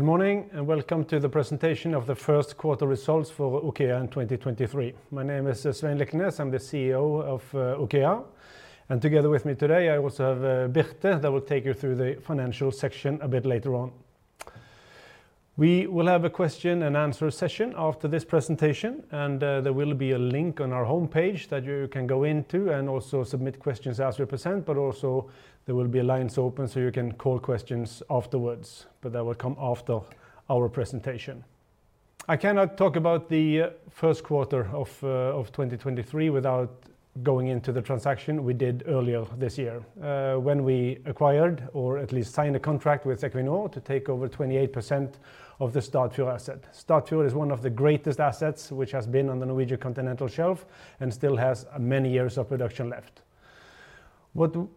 Good morning, welcome to the presentation of the First Quarter Results for OKEA 2023. My name is Svein Liknes, I'm the CEO of OKEA. Together with me today, I also have Birte that will take you through the financial section a bit later on. We will have a Q&A session after this presentation, there will be a link on our homepage that you can go into and also submit questions as we present, but also there will be lines open so you can call questions afterwards. That will come after our presentation. I cannot talk about the first quarter of 2023 without going into the transaction we did earlier this year, when we acquired or at least signed a contract with Equinor to take over 28% of the Statfjord asset. Statfjord is one of the greatest assets which has been on the Norwegian Continental Shelf and still has many years of production left.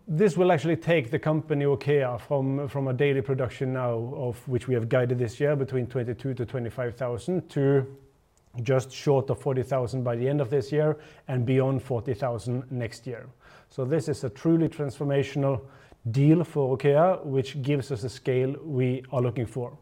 This will actually take the company OKEA from a daily production now of which we have guided this year between 22,000-25,000 to just short of 40,000 by the end of this year and beyond 40,000 next year. This is a truly transformational deal for OKEA which gives us a scale we are looking for.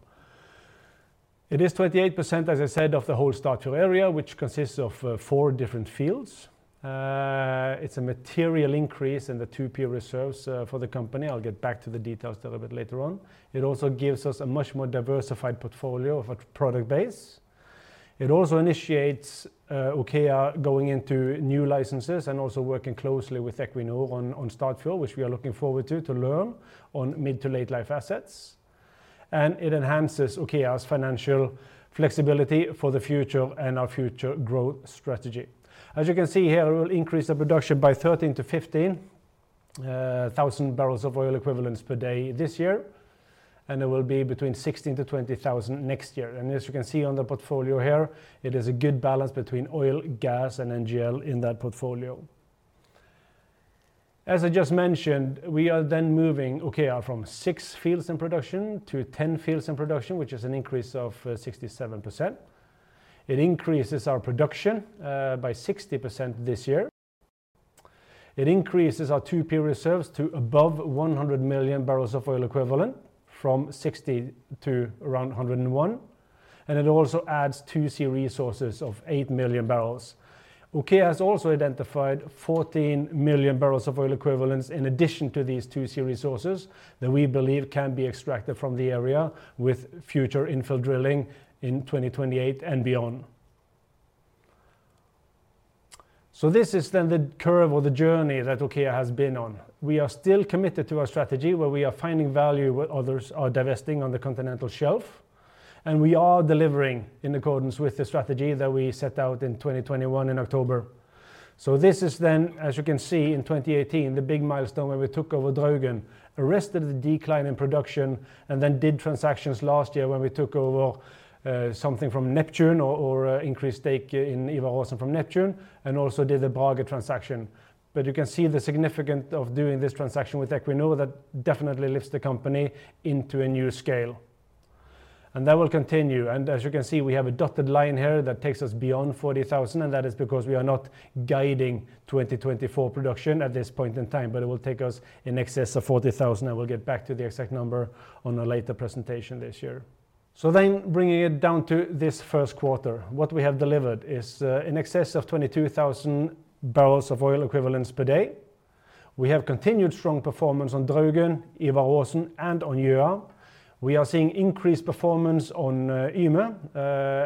It is 28%, as I said, of the whole Statfjord area, which consists of four different fields. It's a material increase in the 2C reserves for the company. I'll get back to the details a little bit later on. It also gives us a much more diversified portfolio of a product base. It also initiates OKEA going into new licenses and also working closely with Equinor on Statfjord, which we are looking forward to learn on mid to late life assets. It enhances OKEA's financial flexibility for the future and our future growth strategy. As you can see here, it will increase the production by 13-15 thousand barrels of oil equivalents per day this year, and it will be between 16,000-20,000 next year. As you can see on the portfolio here, it is a good balance between oil, gas and NGL in that portfolio. As I just mentioned, we are then moving OKEA from six fields in production to 10 fields in production, which is an increase of 67%. It increases our production by 60% this year. It increases our two-period reserves to above 100 million barrels of oil equivalent from 60 to around 101. It also adds 2C resources of 8 million barrels. OKEA has also identified 14 million barrels of oil equivalents in addition to these 2C resources that we believe can be extracted from the area with future infill drilling in 2028 and beyond. This is then the curve or the journey that OKEA has been on. We are still committed to our strategy where we are finding value where others are divesting on the continental shelf, and we are delivering in accordance with the strategy that we set out in 2021 in October. This is then, as you can see, in 2018, the big milestone when we took over Draugen, arrested the decline in production and then did transactions last year when we took over something from Neptune or increased stake in Ivar Aasen from Neptune and also did the Brage transaction. You can see the significance of doing this transaction with Equinor that definitely lifts the company into a new scale. That will continue. As you can see, we have a dotted line here that takes us beyond 40,000, and that is because we are not guiding 2024 production at this point in time, it will take us in excess of 40,000. I will get back to the exact number on a later presentation this year. Bringing it down to this first quarter, what we have delivered is in excess of 22,000 barrels of oil equivalents per day. We have continued strong performance on Draugen, Ivar Aasen and on Gjøa. We are seeing increased performance on Yme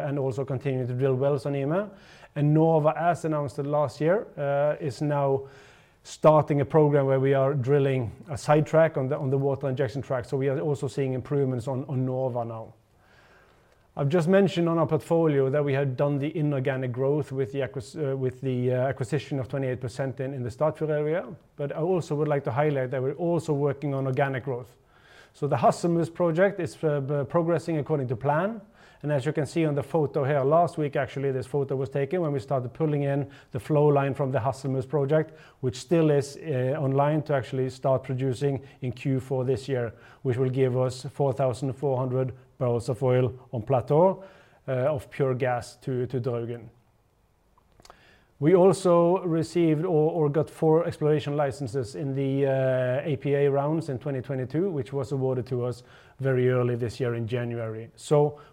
and also continuing to drill wells on Yme. Nova, as announced last year, is now starting a program where we are drilling a sidetrack on the water injection track. We are also seeing improvements on Nova now. I've just mentioned on our portfolio that we have done the inorganic growth with the acquisition of 28% in the Statfjord area. I also would like to highlight that we're also working on organic growth. The Hasselmus project is progressing according to plan. As you can see on the photo here last week, actually, this photo was taken when we started pulling in the flow line from the Hasselmus project, which still is online to actually start producing in Q4 this year, which will give us 4,400 barrels of oil on plateau of pure gas to Draugen. We also received or got four exploration licenses in the APA rounds in 2022, which was awarded to us very early this year in January.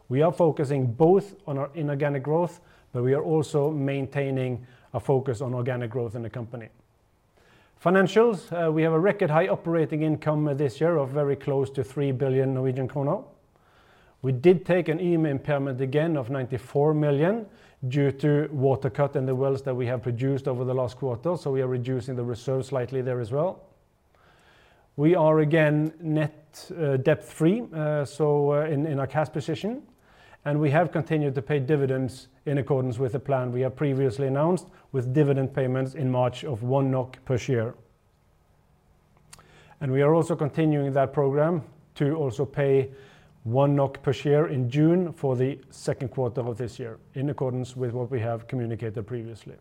We are focusing both on our inorganic growth, but we are also maintaining a focus on organic growth in the company. Financials. We have a record high operating income this year of very close to 3 billion Norwegian krone. We did take an Yme impairment again of 94 million due to water cut in the wells that we have produced over the last quarter. We are reducing the reserves slightly there as well. We are again net debt-free in our cash position. We have continued to pay dividends in accordance with the plan we have previously announced with dividend payments in March of 1 NOK per share. We are also continuing that program to also pay 1 NOK per share in June for the second quarter of this year, in accordance with what we have communicated previously.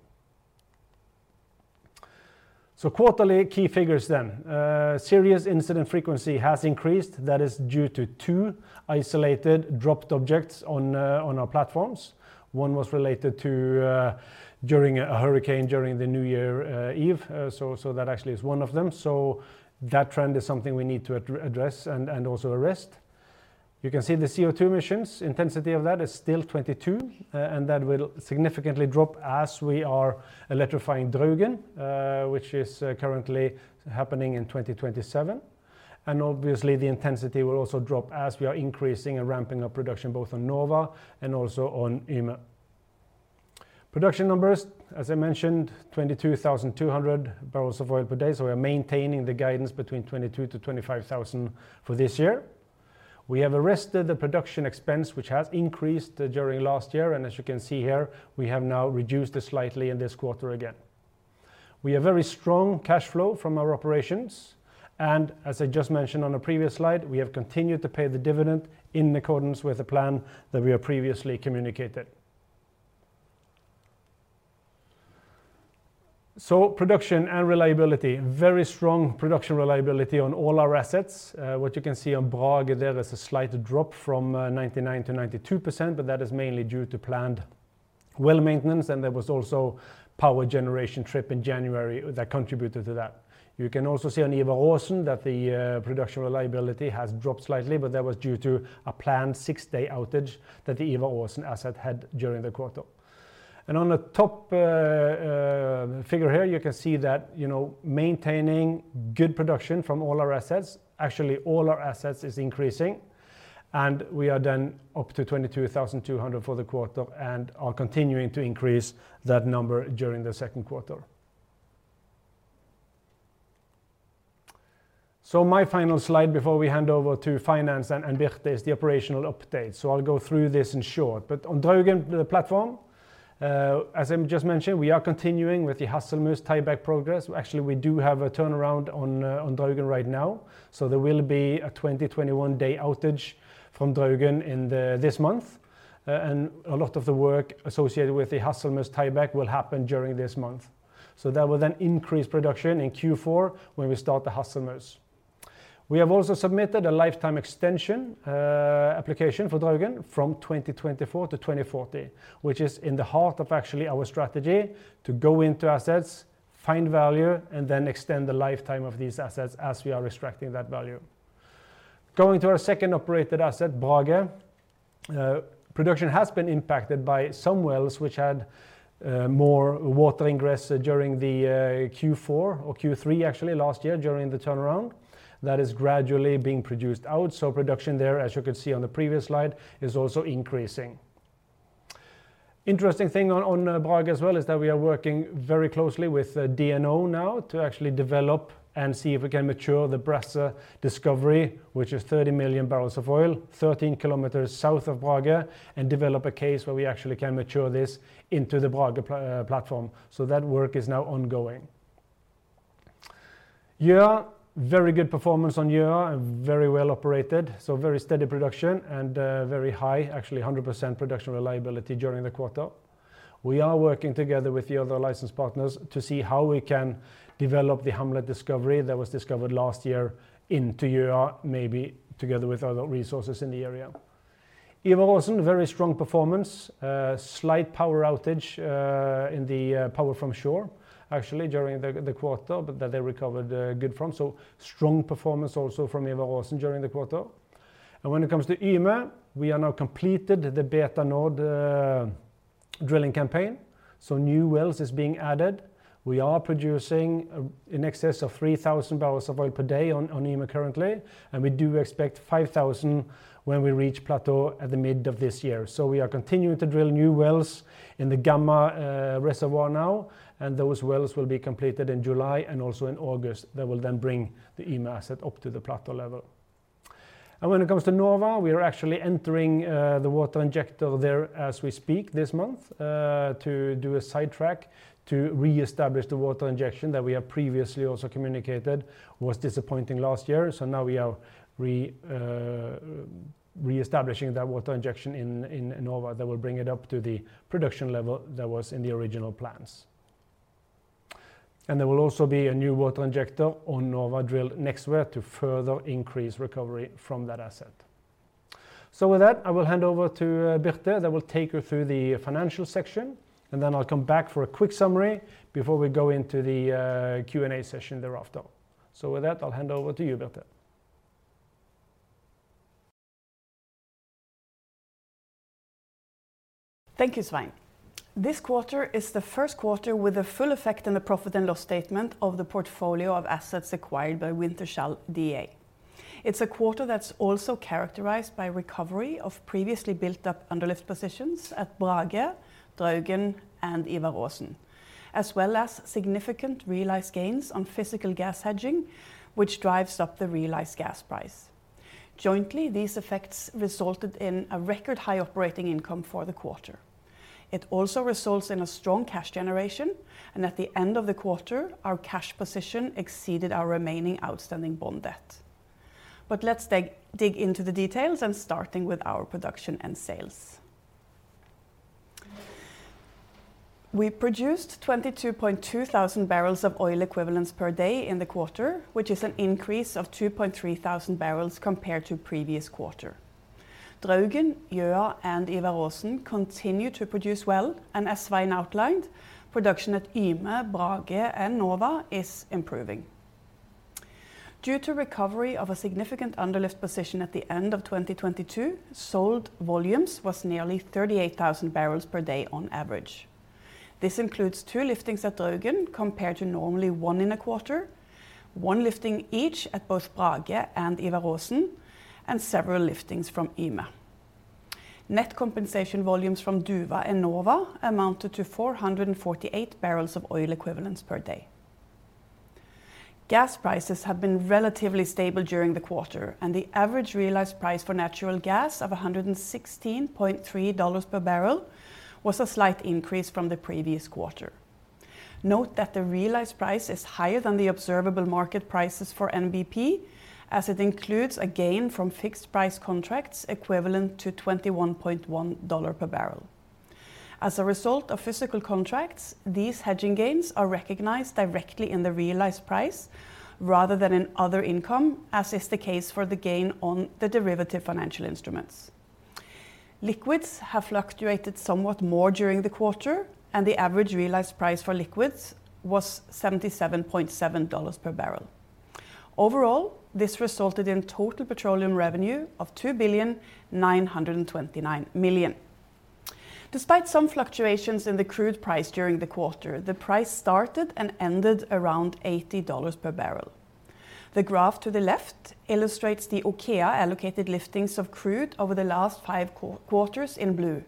Quarterly key figures. Serious incident frequency has increased. That is due to two isolated dropped objects on our platforms. One was related to during a hurricane during New Year Eve. That actually is one of them. That trend is something we need to address and also arrest. You can see the CO2 emissions intensity of that is still 22, and that will significantly drop as we are electrifying Draugen, which is currently happening in 2027. Obviously the intensity will also drop as we are increasing and ramping up production both on Nova and also on Yme. Production numbers, as I mentioned, 22,200 barrels of oil per day. We are maintaining the guidance between 22,000-25,000 for this year. We have arrested the production expense which has increased during last year and as you can see here, we have now reduced it slightly in this quarter again. We have very strong cash flow from our operations and as I just mentioned on a previous slide, we have continued to pay the dividend in accordance with the plan that we have previously communicated. Production and reliability. Very strong production reliability on all our assets. What you can see on Brage there is a slight drop from 99%-92%, but that is mainly due to planned well maintenance and there was also power generation trip in January that contributed to that. You can also see on Ivar Aasen that the production reliability has dropped slightly, but that was due to a planned six-day outage that the Ivar Aasen asset had during the quarter. On the top figure here, you can see that, you know, maintaining good production from all our assets, actually all our assets is increasing and we are then up to 22,200 for the quarter and are continuing to increase that number during the second quarter. My final slide before we hand over to finance and Birte is the operational update. I'll go through this in short. On Draugen platform, as I just mentioned, we are continuing with the Hasselmus tieback progress. Actually we do have a turnaround on Draugen right now. There will be a 2021-day outage from Draugen this month. A lot of the work associated with the Hasselmus tieback will happen during this month. That will then increase production in Q4 when we start the Hasselmus. We have also submitted a lifetime extension application for Draugen from 2024 to 2040, which is in the heart of actually our strategy to go into assets, find value, and then extend the lifetime of these assets as we are extracting that value. Going to our second operated asset, Brage. Production has been impacted by some wells which had more water ingress during the Q4 or Q3 actually last year during the turnaround. That is gradually being produced out. Production there, as you could see on the previous slide, is also increasing. Interesting thing on Brage as well is that we are working very closely with DNO now to actually develop and see if we can mature the Brekke discovery, which is 30 million barrels of oil, 13 kilometers south of Brage, and develop a case where we actually can mature this into the Brage platform. That work is now ongoing. Very good performance on Ivar Aasen and very well operated, so very steady production and very high, actually 100% production reliability during the quarter. We are working together with the other license partners to see how we can develop the Hamlet discovery that was discovered last year into Ivar Aasen, maybe together with other resources in the area. Ivar Aasen, very strong performance. Slight power outage in the power from shore actually during the quarter but that they recovered good from. Strong performance also from Ivar Aasen during the quarter. When it comes to Yme, we are now completed the Bay du Nord drilling campaign. New wells is being added. We are producing in excess of 3,000 barrels of oil per day on Yme currently, and we do expect 5,000 when we reach plateau at the mid of this year. We are continuing to drill new wells in the Gamma reservoir now, and those wells will be completed in July and also in August. That will then bring the Yme asset up to the plateau level. When it comes to Nova, we are actually entering the water injector there as we speak this month to do a sidetrack to reestablish the water injection that we have previously also communicated was disappointing last year. Now we are reestablishing that water injection in Nova that will bring it up to the production level that was in the original plans. There will also be a new water injector on Nova drilled next year to further increase recovery from that asset. With that, I will hand over to Birte that will take you through the financial section. Then I'll come back for a quick summary before we go into the Q&A session thereafter. With that, I'll hand over to you, Birte. Thank you, Svein. This quarter is the first quarter with the full effect in the profit and loss statement of the portfolio of assets acquired by Wintershall Dea. It's a quarter that's also characterized by recovery of previously built up underlift positions at Brage, Draugen, and Ivar Aasen, as well as significant realized gains on physical gas hedging, which drives up the realized gas price. Jointly, these effects resulted in a record high operating income for the quarter. It also results in a strong cash generation, and at the end of the quarter, our cash position exceeded our remaining outstanding bond debt. Let's dig into the details and starting with our production and sales. We produced 22.2 thousand barrels of oil equivalents per day in the quarter, which is an increase of 2.3 thousand barrels compared to previous quarter. Draugen, Gjøa, and Ivar Aasen continue to produce well, and as Svein outlined, production at Yme, Brage, and Nova is improving. Due to recovery of a significant underlift position at the end of 2022, sold volumes was nearly 38,000 barrels per day on average. This includes two liftings at Draugen compared to normally one in a quarter, one lifting each at both Brage and Ivar Aasen, and several liftings from Yme. Net compensation volumes from Duva and Nova amounted to 448 barrels of oil equivalents per day. Gas prices have been relatively stable during the quarter, and the average realized price for natural gas of $116.3 per barrel was a slight increase from the previous quarter. Note that the realized price is higher than the observable market prices for NBP, as it includes a gain from fixed price contracts equivalent to $21.1 per barrel. As a result of physical contracts, these hedging gains are recognized directly in the realized price rather than in other income, as is the case for the gain on the derivative financial instruments. Liquids have fluctuated somewhat more during the quarter, and the average realized price for liquids was $77.7 per barrel. Overall, this resulted in total petroleum revenue of $2,929 million. Despite some fluctuations in the crude price during the quarter, the price started and ended around $80 per barrel. The graph to the left illustrates the OKEA allocated liftings of crude over the last five quarters in blue.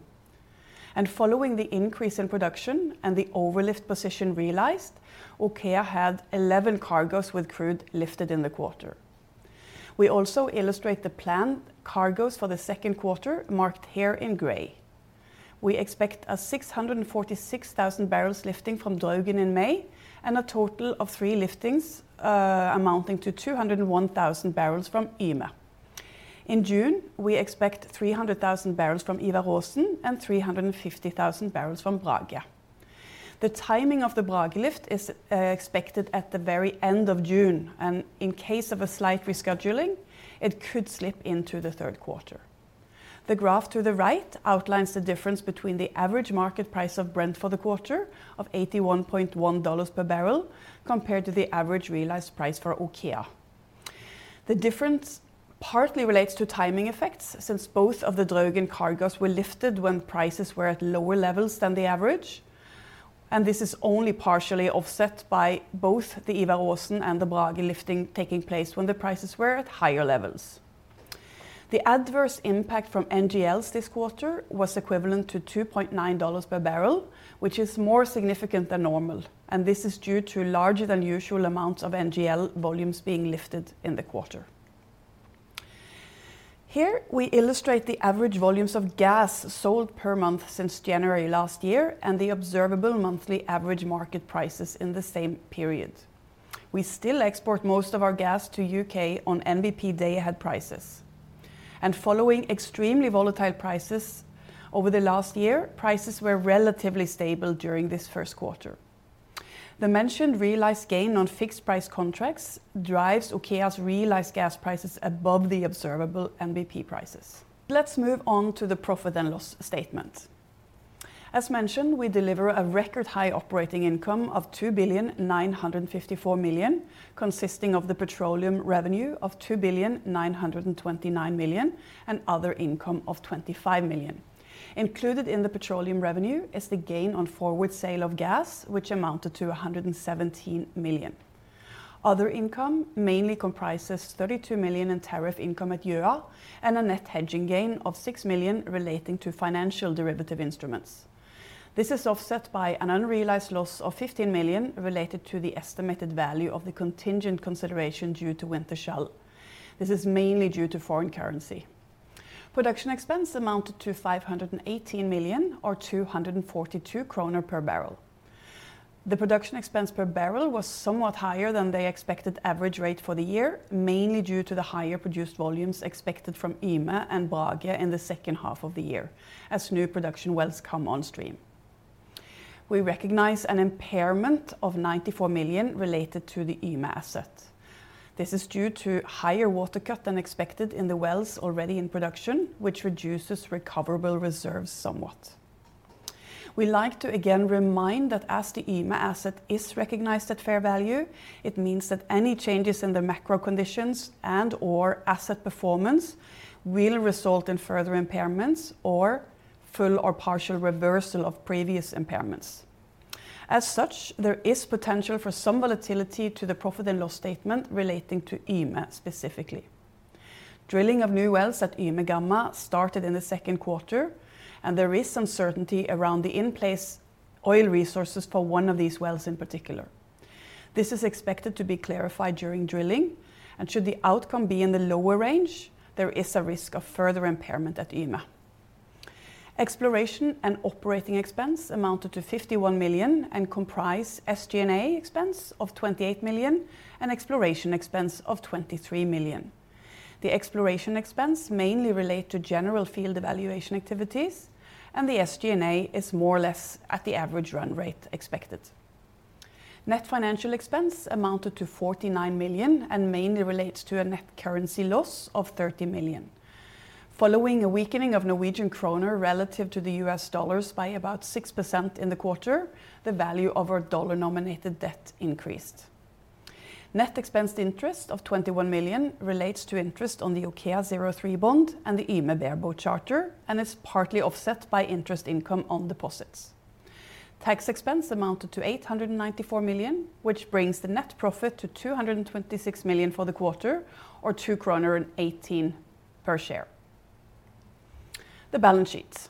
Following the increase in production and the overlift position realized, OKEA had 11 cargos with crude lifted in the quarter. We also illustrate the planned cargos for the second quarter, marked here in gray. We expect a 646,000 barrels lifting from Draugen in May and a total of three liftings, amounting to 201,000 barrels from Yme. In June, we expect 300,000 barrels from Ivar Aasen and 350,000 barrels from Brage. The timing of the Brage lift is expected at the very end of June, and in case of a slight rescheduling, it could slip into the third quarter. The graph to the right outlines the difference between the average market price of Brent for the quarter of $81.1 per barrel compared to the average realized price for OKEA. The difference partly relates to timing effects since both of the Draugen cargos were lifted when prices were at lower levels than the average, and this is only partially offset by both the Ivar Aasen and the Brage lifting taking place when the prices were at higher levels. The adverse impact from NGLs this quarter was equivalent to $2.9 per barrel, which is more significant than normal, and this is due to larger than usual amounts of NGL volumes being lifted in the quarter. Here we illustrate the average volumes of gas sold per month since January last year and the observable monthly average market prices in the same period. We still export most of our gas to UK on NBP day-ahead prices. Following extremely volatile prices over the last year, prices were relatively stable during this first quarter. The mentioned realized gain on fixed price contracts drives Aker's realized gas prices above the observable NBP prices. Let's move on to the profit and loss statement. As mentioned, we deliver a record high operating income of 2,954 million, consisting of the petroleum revenue of 2,929 million and other income of 25 million. Included in the petroleum revenue is the gain on forward sale of gas, which amounted to 117 million. Other income mainly comprises 32 million in tariff income at Yme and a net hedging gain of 6 million relating to financial derivative instruments. This is offset by an unrealized loss of 15 million related to the estimated value of the contingent consideration due to Wintershall. This is mainly due to foreign currency. Production expense amounted to 518 million or 242 kroner per barrel. The production expense per barrel was somewhat higher than the expected average rate for the year, mainly due to the higher produced volumes expected from Yme and Brage in the second half of the year as new production wells come on stream. We recognize an impairment of 94 million related to the Yme asset. This is due to higher water cut than expected in the wells already in production, which reduces recoverable reserves somewhat. We like to again remind that as the Yme asset is recognized at fair value, it means that any changes in the macro conditions and or asset performance will result in further impairments or full or partial reversal of previous impairments. As such, there is potential for some volatility to the profit and loss statement relating to Yme specifically. Drilling of new wells at Yme Gamma started in the second quarter, and there is some certainty around the in-place oil resources for one of these wells in particular. This is expected to be clarified during drilling, and should the outcome be in the lower range, there is a risk of further impairment at Yme. Exploration and operating expense amounted to 51 million and comprise SG&A expense of 28 million and exploration expense of 23 million. The exploration expense mainly relate to general field evaluation activities, and the SG&A is more or less at the average run rate expected. Net financial expense amounted to 49 million and mainly relates to a net currency loss of 30 million. Following a weakening of Norwegian kroner relative to the U.S. dollars by about 6% in the quarter, the value of our dollar-nominated debt increased. Net expense interest of 21 million relates to interest on the OKEA03 Bond and the Yme bareboat charter, and is partly offset by interest income on deposits. Tax expense amounted to 894 million, which brings the net profit to 226 million for the quarter, or 2.18 kroner per share. The balance sheets.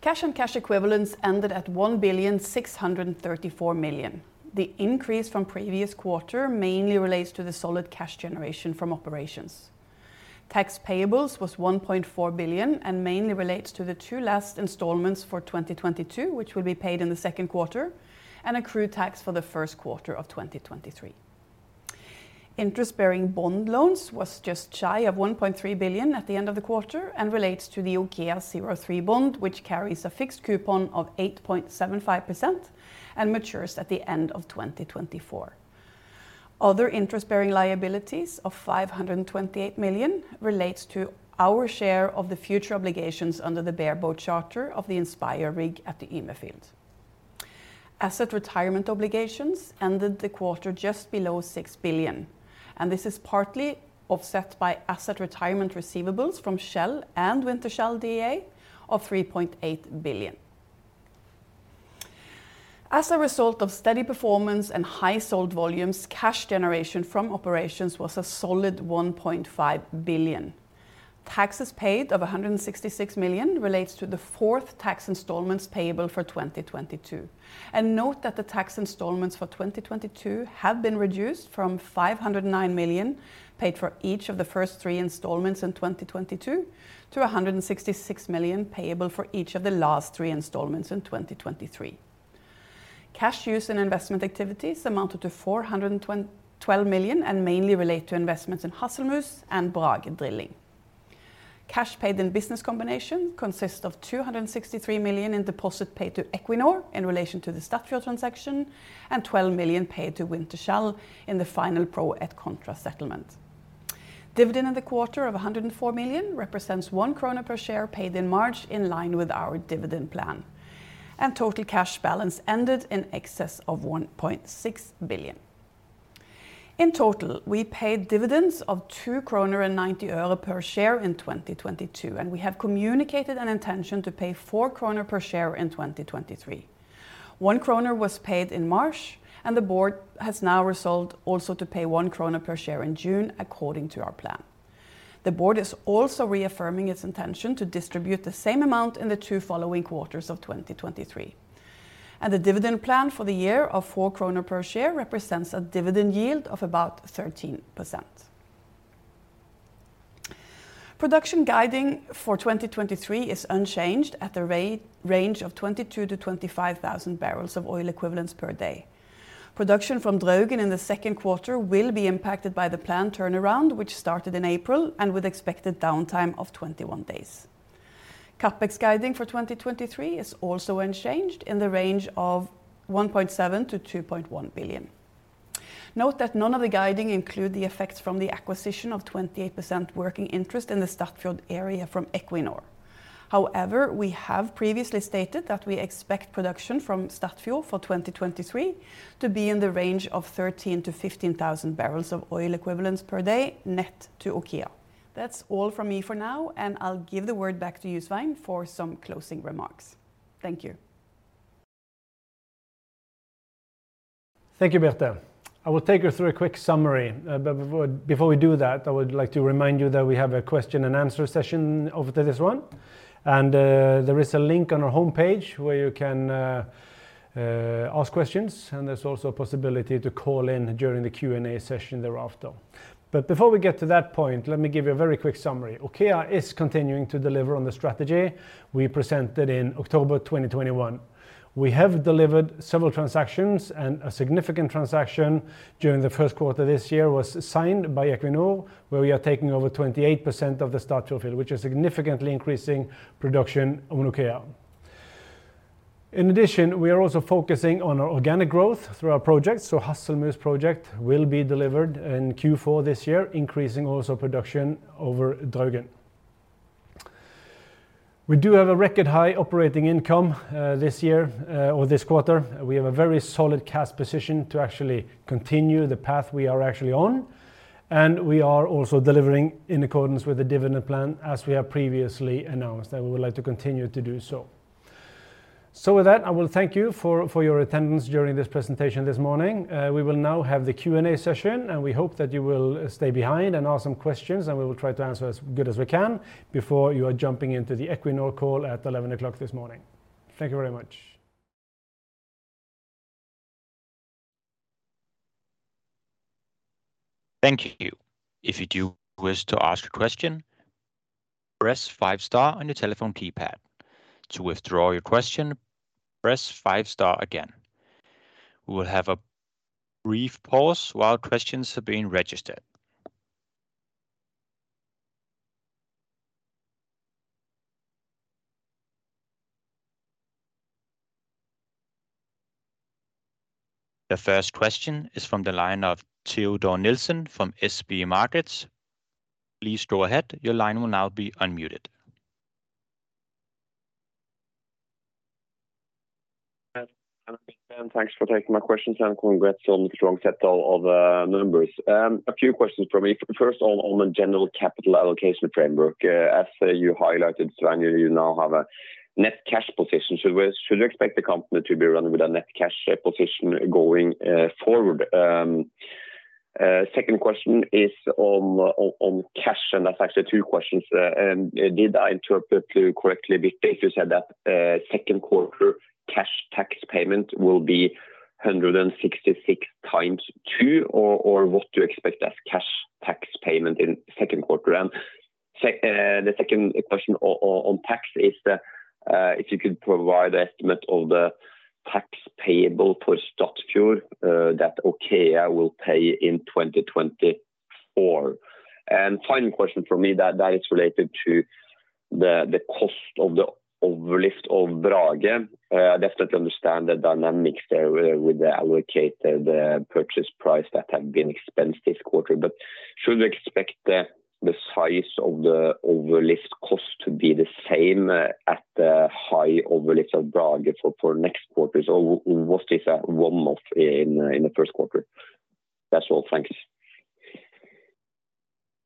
cash and cash equivalents ended at 1.634 billion. The increase from previous quarter mainly relates to the solid cash generation from operations. Tax payables was 1.4 billion and mainly relates to the two last installments for 2022, which will be paid in the second quarter, and accrued tax for the first quarter of 2023. Interest-bearing bond loans was just shy of 1.3 billion at the end of the quarter and relates to the OKEA03 Bond, which carries a fixed coupon of 8.75% and matures at the end of 2024. Other interest-bearing liabilities of 528 million relates to our share of the future obligations under the bareboat charter of the Mærsk Inspirer rig at the Yme field. Asset retirement obligations ended the quarter just below 6 billion, this is partly offset by asset retirement receivables from Shell and Wintershall Dea of 3.8 billion. A result of steady performance and high sold volumes, cash generation from operations was a solid 1.5 billion. Taxes paid of 166 million relates to the 4th tax installments payable for 2022. Note that the tax installments for 2022 have been reduced from 509 million paid for each of the first three installments in 2022 to 166 million payable for each of the last three installments in 2023. Cash use in investment activities amounted to 412 million and mainly relate to investments in Hasselmus and Brage Drilling. Cash paid in business combination consists of 263 million in deposit paid to Equinor in relation to the Statfjord transaction, and 12 million paid to Wintershall in the final pro rata settlement. Dividend in the quarter of 104 million represents 1 krone per share paid in March in line with our dividend plan. Total cash balance ended in excess of 1.6 billion. In total, we paid dividends of NOK 2.90 per share in 2022. We have communicated an intention to pay 4 kroner per share in 2023. 1 kroner was paid in March. The board has now resolved also to pay 1 kroner per share in June according to our plan. The board is also reaffirming its intention to distribute the same amount in the two following quarters of 2023. The dividend plan for the year of 4 kroner per share represents a dividend yield of about 13%. Production guiding for 2023 is unchanged at the range of 22,000-25,000 barrels of oil equivalents per day. Production from Draugen in the second quarter will be impacted by the planned turnaround, which started in April and with expected downtime of 21 days. CapEx guiding for 2023 is also unchanged in the range of 1.7 billion-2.1 billion. Note that none of the guiding include the effects from the acquisition of 28% working interest in the Statfjord area from Equinor. We have previously stated that we expect production from Statfjord for 2023 to be in the range of 13,000-15,000 barrels of oil equivalents per day net to OKEA. That's all from me for now, and I'll give the word back to Svein Liknes for some closing remarks. Thank you. Thank you, Birte. I will take you through a quick summary. Before we do that, I would like to remind you that we have a question and answer session after this one. There is a link on our homepage where you can ask questions, and there's also a possibility to call in during the Q&A session thereafter. Before we get to that point, let me give you a very quick summary. OKEA is continuing to deliver on the strategy we presented in October 2021. We have delivered several transactions, and a significant transaction during the 1st quarter this year was signed by Equinor, where we are taking over 28% of the Statfjord field, which is significantly increasing production on OKEA. In addition, we are also focusing on our organic growth through our projects. Hasselmus project will be delivered in Q4 this year, increasing also production over Draugen. We do have a record high operating income this year or this quarter. We have a very solid cash position to actually continue the path we are actually on, and we are also delivering in accordance with the dividend plan as we have previously announced, and we would like to continue to do so. With that, I will thank you for your attendance during this presentation this morning. We will now have the Q&A session, and we hope that you will stay behind and ask some questions, and we will try to answer as good as we can before you are jumping into the Equinor call at 11:00 A.M. this morning. Thank you very much. Thank you. If you do wish to ask a question, press five star on your telephone keypad. To withdraw your question, press five star again. We will have a brief pause while questions are being registered. The first question is from the line of Teodor Nilsen from SB1 Markets. Please go ahead. Your line will now be unmuted. Yes. Thanks for taking my questions. Congrats on the strong set of numbers. A few questions from me. First of all, on the general capital allocation framework. As you highlighted, Svein, you now have a net cash position. Should we expect the company to be running with a net cash position going forward? Second question is on cash. That's actually two questions. Did I interpret you correctly, Birte, that you said that second quarter cash tax paYment will be 166 times two, or what do you expect as cash tax paYment in second quarter? The second question on tax is that if you could provide an estimate of the tax payable for Statfjord that OKEA will pay in 2024. Final question from me that is related to the cost of the overlift of Brage. I definitely understand the dynamics there with the allocated purchase price that have been expensed this quarter. Should we expect the size of the overlift cost to be the same at the high overlifts of Brage for next quarter? What is that one off in the first quarter? That's all. Thanks.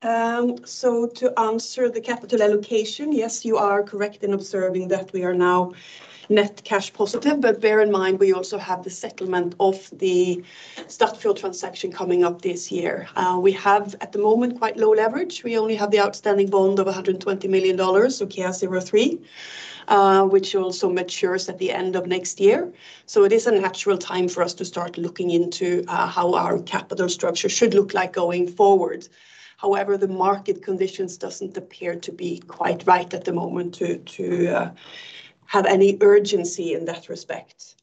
To answer the capital allocation, yes, you are correct in observing that we are now net cash positive, but bear in mind we also have the settlement of the Statfjord transaction coming up this year. We have at the moment quite low leverage. We only have the outstanding bond of $120 million, OKEA03, which also matures at the end of next year. It is a natural time for us to start looking into how our capital structure should look like going forward. However, the market conditions doesn't appear to be quite right at the moment to have any urgency in that respect.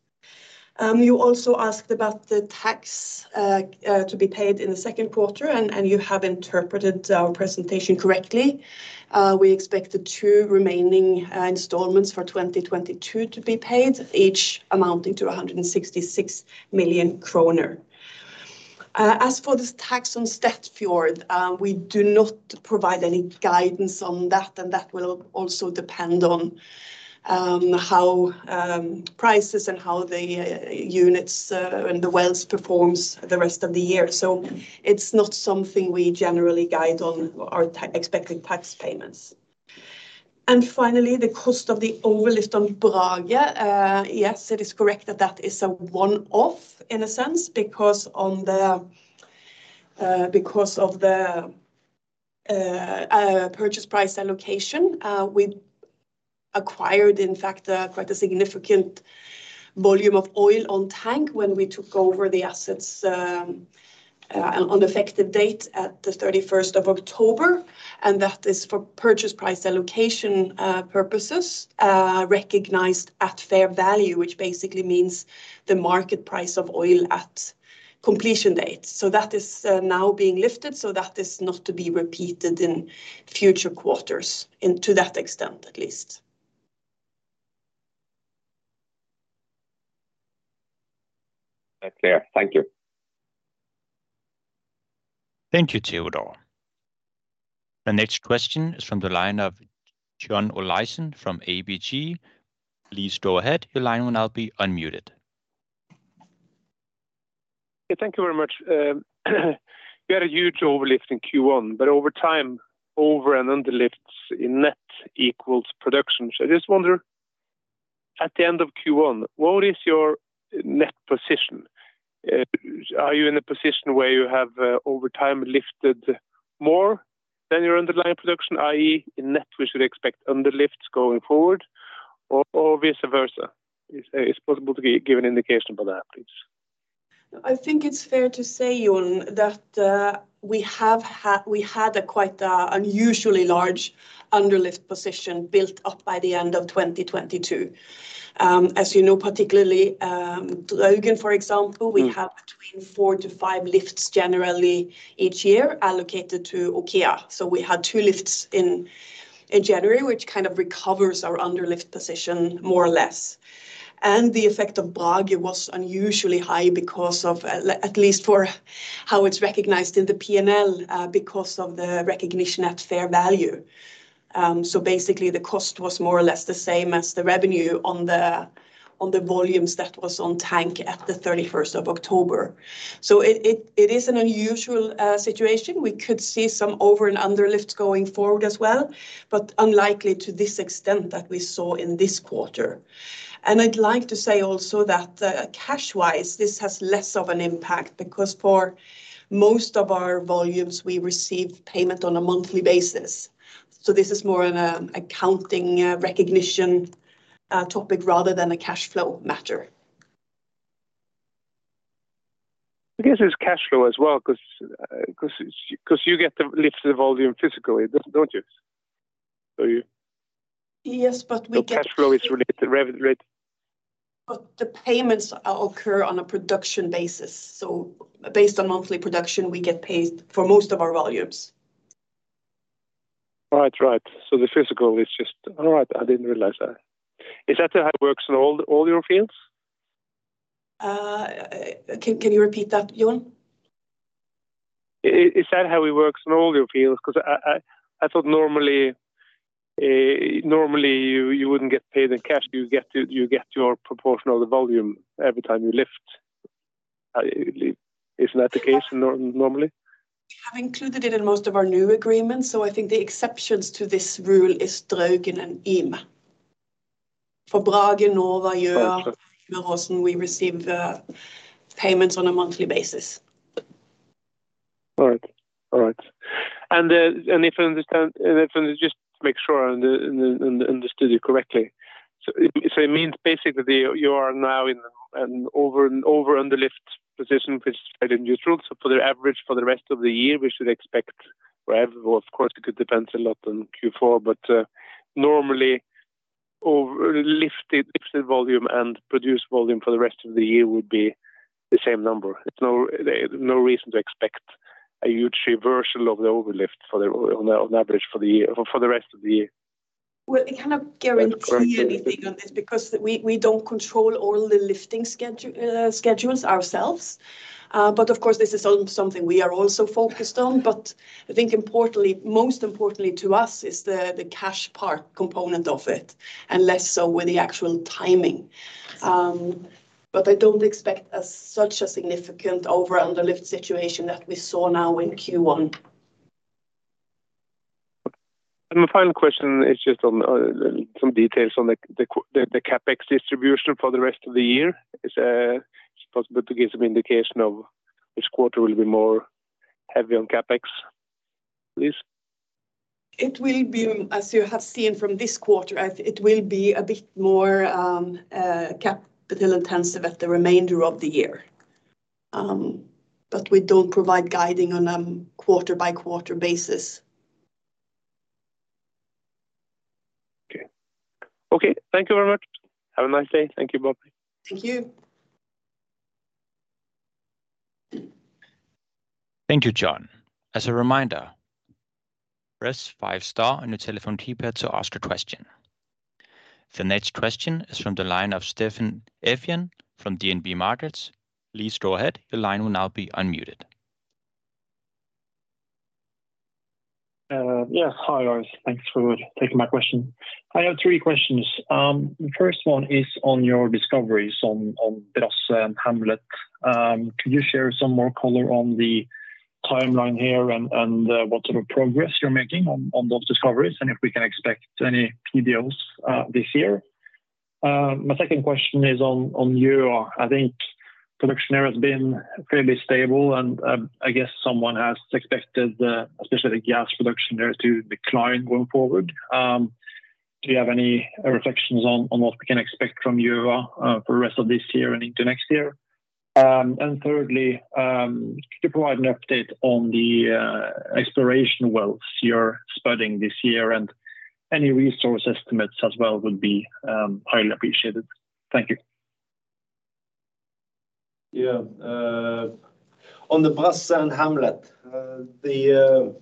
You also asked about the tax to be paid in the second quarter, and you have interpreted our presentation correctly. We expect the two remaining installments for 2022 to be paid, each amounting to 166 million kroner. As for this tax on Statfjord, we do not provide any guidance on that, and that will also depend on how prices and how the units and the wells performs the rest of the year. It's not something we generally guide on our expecting tax payments. Finally, the cost of the overlift on Brage. Yes, it is correct that that is a one-off in a sense because on the because of the Purchase Price Allocation, we acquired in fact quite a significant volume of oil on tank when we took over the assets on effective date at the 31st of October. That is for Purchase Price Allocation purposes recognized at fair value, which basically means the market price of oil at completion date. That is now being lifted, so that is not to be repeated in future quarters, to that extent at least. That's clear. Thank you. Thank you, Theodor. The next question is from the line of John Olaisen from ABG. Please go ahead. Your line will now be unmuted. Thank you very much. We had a huge overlift in Q1, but over time, over and underlifts in net equals production. I just wonder, at the end of Q1, what is your net position? Are you in a position where you have, over time lifted more than your underlying production, i.e. in net we should expect underlifts going forward or vice versa? Is it possible to give an indication about that, please? I think it's fair to say, John, that we had a quite unusually large underlift position built up by the end of 2022. As you know, particularly, Draugen, for example we have between four to five lifts generally each year allocated to OKEA. We had two lifts in January, which kind of recovers our underlift position more or less. The effect of Brage was unusually high because of at least for how it's recognized in the P&L because of the recognition at fair value. Basically the cost was more or less the same as the revenue on the volumes that was on tank at the 31st of October. It is an unusual situation. We could see some over and underlifts going forward as well, but unlikely to this extent that we saw in this quarter. I'd like to say also that cash-wise, this has less of an impact because for most of our volumes, we receive paYment on a monthly basis. This is more an accounting recognition topic rather than a cash flow matter. I guess it's cash flow as well 'cause you get the lifts of volume physically, don't you? So you- Yes, we get. The cash flow is related to revenue, right? The payments occur on a production basis. Based on monthly production, we get paid for most of our volumes. Right. Right. The physical is just... All right. I didn't realize that. Is that how it works in all your fields? Can you repeat that, John? Is that how it works in all your fields? Cause I thought normally you wouldn't get paid in cash, you get your proportion of the volume every time you lift. Isn't that the case normally? We have included it in most of our new agreements, so I think the exceptions to this rule is Draugen and Yme. For Brage, Nova, Gjøa. Okay we receive the payments on a monthly basis. All right. All right. If I can just make sure I understood you correctly. It means basically you are now in an over under lift position which is fairly neutral. For the average for the rest of the year, we should expect, or of course it could depends a lot on Q4, but normally over lifted volume and produced volume for the rest of the year would be the same number. There's no reason to expect a huge reversal of the over lift for the average for the year, for the rest of the year. We cannot guarantee anything on this because we don't control all the lifting schedules ourselves. Of course this is something we are also focused on. I think importantly, most importantly to us is the cash part component of it, and less so with the actual timing. I don't expect a such a significant over under lift situation that we saw now in Q1. My final question is just on some details on the CapEx distribution for the rest of the year. Is it possible to give some indication of which quarter will be more heavy on CapEx, please? It will be, as you have seen from this quarter, it will be a bit more capital intensive at the remainder of the year. We don't provide guiding on a quarter by quarter basis. Okay. Thank you very much. Have a nice day. Thank you, Birte. Thank you. Thank you, John. As a reminder, press five star on your telephone keypad to ask a question. The next question is from the line of Steffen Evjen from DNB Markets. Please go ahead, your line will now be unmuted. Yeah. Hi, guys. Thanks for taking my question. I have three questions. First one is on your discoveries on Brasse and Hamlet. Could you share some more color on the timeline here and what sort of progress you're making on those discoveries, and if we can expect any PDOs this year? My second question is on Uar. I think production there has been fairly stable and I guess someone has expected the specific gas production there to decline going forward. Do you have any reflections on what we can expect from Uar for the rest of this year and into next year? Thirdly, could you provide an update on the exploration wells you're spudding this year, and any resource estimates as well would be highly appreciated. Thank you. Yeah. On the Brasse and Hamlet, the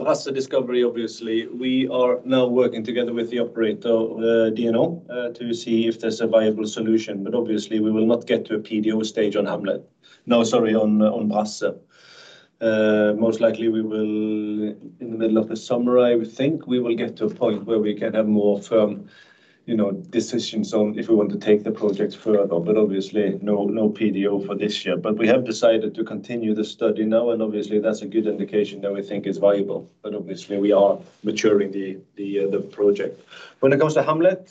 Brasse discovery, obviously, we are now working together with the operator, DNO, to see if there's a viable solution. Obviously we will not get to a PDO stage on Hamlet. No, sorry, on Brasse. Most likely we will in the middle of the summer, I think, we will get to a point where we can have more firm, you know, decisions on if we want to take the project further. Obviously, no PDO for this year. We have decided to continue the study now, and obviously that's a good indication that we think it's viable. Obviously we are maturing the project. When it comes to Hamlet,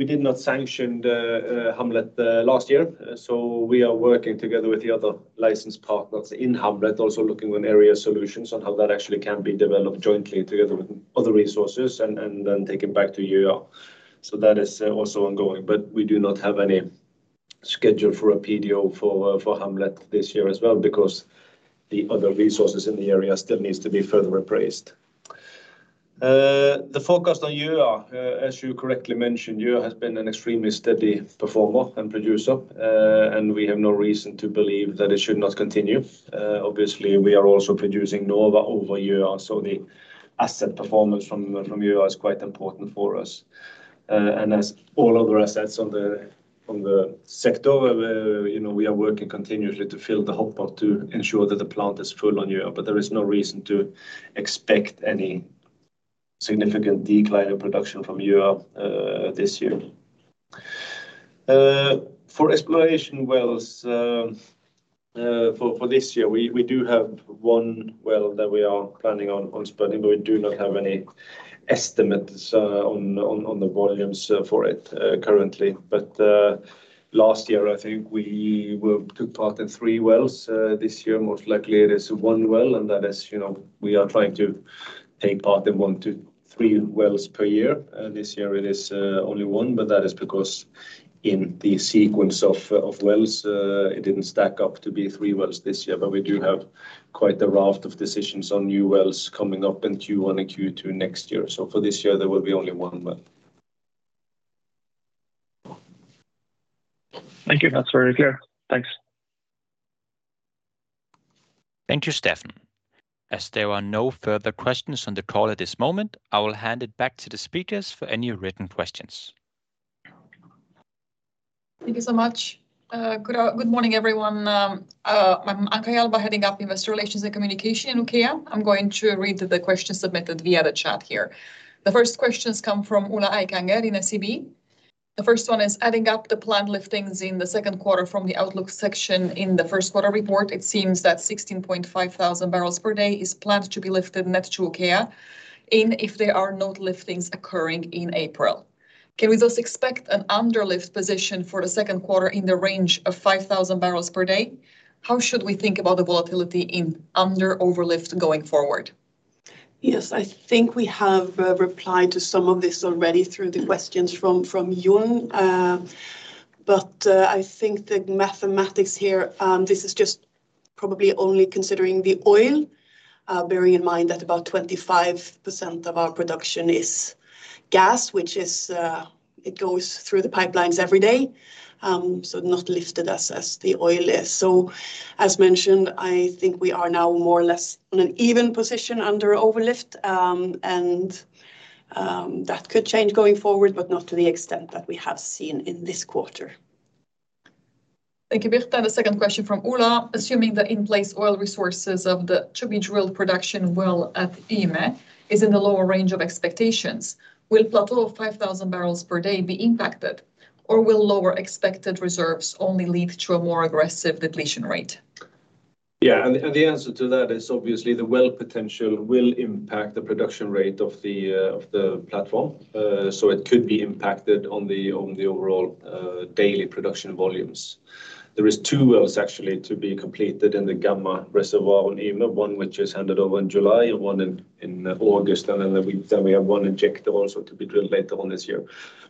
we did not sanction the Hamlet last year. We are working together with the other license partners in Hamlet, also looking on area solutions on how that actually can be developed jointly together with other resources and then take it back to Uar. That is also ongoing, but we do not have any schedule for a PDO for Hamlet this year as well because the other resources in the area still needs to be further appraised. The focus on Uar, as you correctly mentioned, Uar has been an extremely steady performer and producer. We have no reason to believe that it should not continue. Obviously we are also producing Nova over Uar, so the asset performance from Uar is quite important for us. As all other assets on the sector, you know, we are working continuously to fill the hub port to ensure that the plant is full on Uar. There is no reason to expect any significant decline in production from Uar this year. For exploration wells, this year, we do have one well that we are planning on spudding, but we do not have any estimates on the volumes for it currently. Last year, I think we took part in three wells. This year, most likely it is one well, and that is, you know, we are trying to take part in one to three wells per year. This year it is only one, but that is because in the sequence of wells, it didn't stack up to be three wells this year. We do have quite a raft of decisions on new wells coming up in Q1 and Q2 next year. For this year there will be only one well. Thank you. That's very clear. Thanks. Thank you, Steffen. As there are no further questions on the call at this moment, I will hand it back to the speakers for any written questions. Thank you so much. Good morning, everyone. I'm Anca Jalba, heading up Investor Relations and Communication in OKEA. I'm going to read the questions submitted via the chat here. The first questions come from John Olaisen in ABG. The first one is adding up the planned liftings in the second quarter from the outlook section in the first quarter report. It seems that 16.5 thousand barrels per day is planned to be lifted net to OKEA in if there are no liftings occurring in April. Can we thus expect an under-lift position for the second quarter in the range of 5,000 barrels per day? How should we think about the volatility in under/over-lift going forward? Yes, I think we have replied to some of this already through the questions from John. I think the mathematics here, this is just probably only considering the oil, bearing in mind that about 25% of our production is gas, which is, it goes through the pipelines every day, so not lifted as the oil is. As mentioned, I think we are now more or less on an even position under over-lift, that could change going forward, but not to the extent that we have seen in this quarter. Thank you, Birte. The second question from John Olaisen: Assuming the in-place oil resources of the to-be-drilled production well at Yme is in the lower range of expectations, will plateau of 5,000 barrels per day be impacted, or will lower expected reserves only lead to a more aggressive depletion rate? The answer to that is obviously the well potential will impact the production rate of the platform. It could be impacted on the overall daily production volumes. There is two wells actually to be completed in the Gamma reservoir on Yme, one which is handed over in July and one in August, we have one injector also to be drilled later on this year.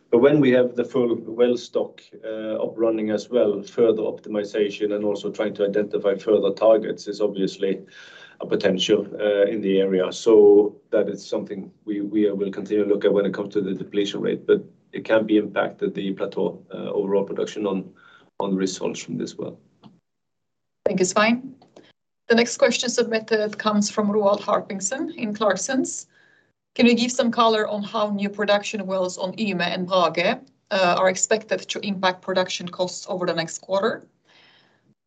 When we have the full well stock up running as well, further optimization and also trying to identify further targets is obviously a potential in the area. That is something we will continue to look at when it comes to the depletion rate, but it can be impacted, the plateau, overall production on results from this well. Thank you, Svein. The next question submitted comes from Roald Hartvigsen in Clarksons Securities. Can we give some color on how new production wells on Yme and Brage are expected to impact production costs over the next quarter?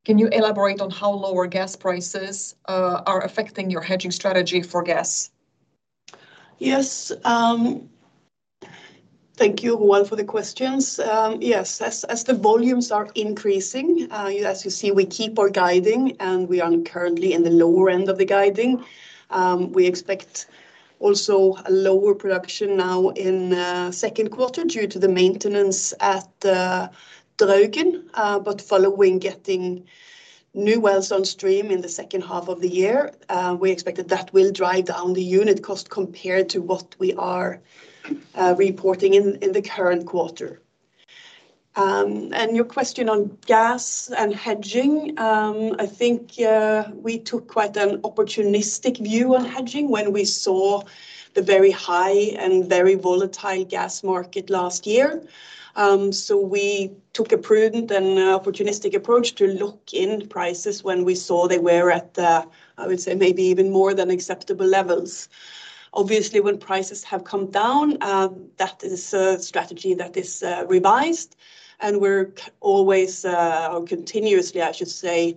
Can you elaborate on how lower gas prices are affecting your hedging strategy for gas? Yes. Thank you, Roald, for the questions. Yes, as the volumes are increasing, as you see, we keep our guiding, and we are currently in the lower end of the guiding. We expect also a lower production now in second quarter due to the maintenance at Draugen, but following getting new wells on stream in the second half of the year, we expect that that will drive down the unit cost compared to what we are reporting in the current quarter. Your question on gas and hedging, I think we took quite an opportunistic view on hedging when we saw the very high and very volatile gas market last year. We took a prudent and opportunistic approach to lock in prices when we saw they were at the, I would say, maybe even more than acceptable levels. Obviously, when prices have come down, that is a strategy that is revised, and we're always, or continuously I should say,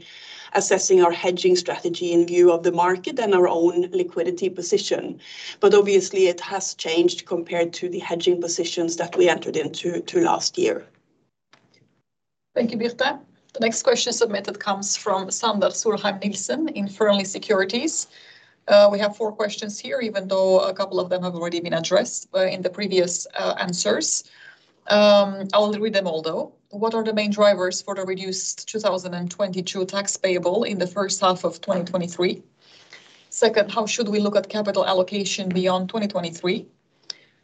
assessing our hedging strategy in view of the market and our own liquidity position. Obviously it has changed compared to the hedging positions that we entered into last year. Thank you, Birte. The next question submitted comes from Sander Solheim Nilsen in Fearnley Securities. We have four questions here, even though a couple of them have already been addressed in the previous answers. I will read them all, though. What are the main drivers for the reduced 2022 tax payable in the first half of 2023? Second, how should we look at capital allocation beyond 2023?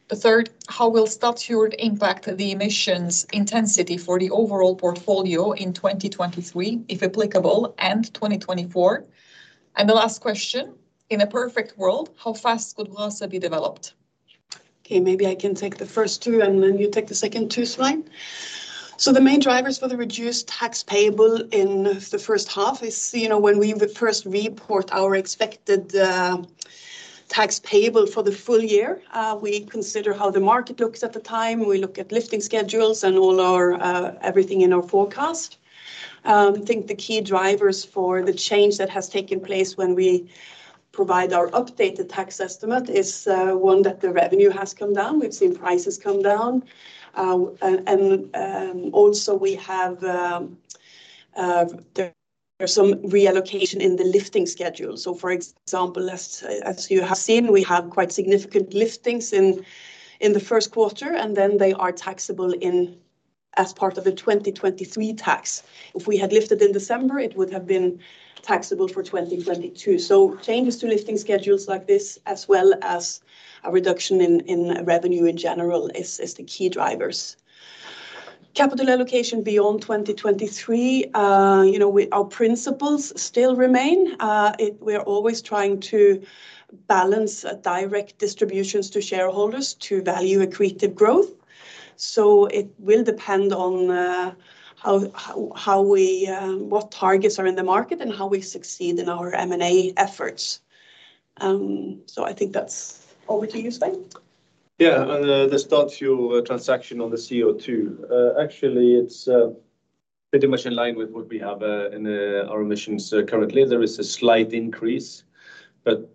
The third, how will Statfjord impact the emissions intensity for the overall portfolio in 2023, if applicable, and 2024? The last question, in a perfect world, how fast could Brasse be developed? Okay, maybe I can take the first two, and then you take the second two, Svein. The main drivers for the reduced tax payable in the first half is, you know, when we first report our expected tax payable for the full year, we consider how the market looks at the time. We look at lifting schedules and all our everything in our forecast. I think the key drivers for the change that has taken place when we provide our updated tax estimate is, one, that the revenue has come down. We've seen prices come down. Also we have there's some reallocation in the lifting schedule. For example, as you have seen, we have quite significant liftings in the first quarter, and then they are taxable in as part of the 2023 tax. If we had lifted in December, it would have been taxable for 2022. Changes to lifting schedules like this, as well as a reduction in revenue in general is the key drivers. Capital allocation beyond 2023, you know, our principles still remain. We are always trying to balance direct distributions to shareholders to value accretive growth. It will depend on how we what targets are in the market and how we succeed in our M&A efforts. I think that's over to you, Svein. Yeah. On the Statfjord transaction on the CO2, actually it's pretty much in line with what we have in our emissions currently. There is a slight increase, but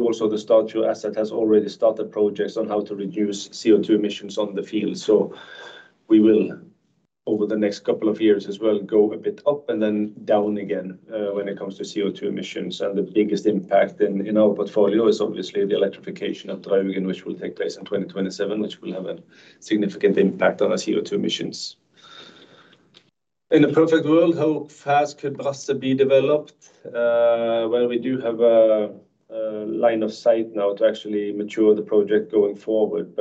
also the Statfjord asset has already started projects on how to reduce CO2 emissions on the field. We will over the next couple of years as well go a bit up and then down again when it comes to CO2 emissions. The biggest impact in our portfolio is obviously the electrification of Draugen which will take place in 2027, which will have a significant impact on our CO2 emissions. In a perfect world, how fast could Brasse be developed? Well, we do have a line of sight now to actually mature the project going forward.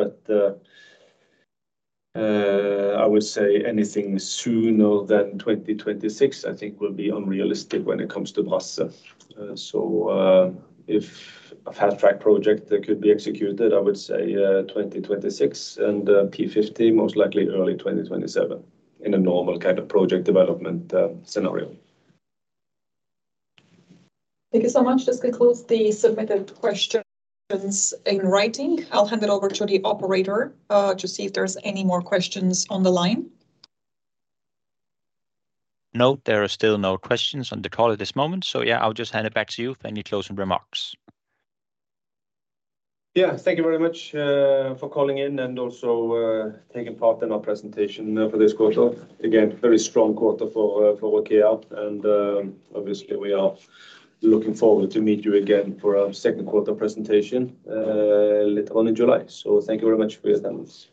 I would say anything sooner than 2026 I think will be unrealistic when it comes to Brasse. If a fast-track project could be executed, I would say 2026, and P50 most likely early 2027 in a normal kind of project development scenario. Thank you so much. This concludes the submitted questions in writing. I'll hand it over to the operator to see if there's any more questions on the line. No, there are still no questions on the call at this moment. Yeah, I'll just hand it back to you for any closing remarks. Yeah. Thank you very much for calling in and also taking part in our presentation for this quarter. Again, very strong quarter for OKEA. Obviously we are looking forward to meet you again for our second quarter presentation later on in July. Thank you very much for your attendance.